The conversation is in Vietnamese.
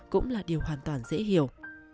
cũng là điều hoàn toàn dễ hiểu